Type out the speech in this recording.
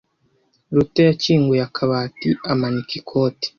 Ruta yakinguye akabati amanika ikote.